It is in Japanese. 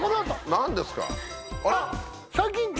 何ですか？